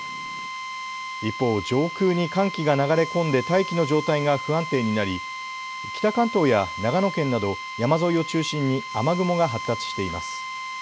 一方、上空に寒気が流れ込んで大気の状態が不安定になり北関東や長野県など山沿いを中心に雨雲が発達しています。